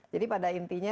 jadi pada intinya